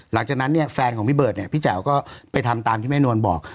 หลังจากนั้นเนี่ยแฟนของพี่เบิร์ดเนี่ยพี่แจ๋วก็ไปทำตามที่แม่นวลบอก